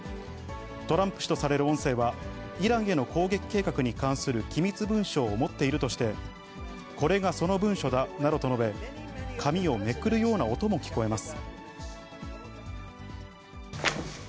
トランプ氏とされる音声は、イランへの攻撃計画に関する機密文書を持っているとして、これがその文書だなどと述べ、紙をめくるような音も聞こえます。